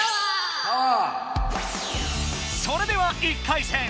それでは１回戦。